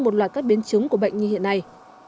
một loạt các biến chứng của bệnh như hiện nay